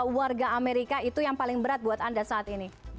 warga amerika itu yang paling berat buat anda saat ini